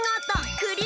クリア！